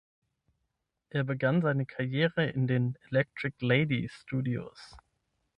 Er begann seine Karriere in den Electric Lady Studios.